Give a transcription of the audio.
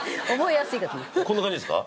こんな感じですか？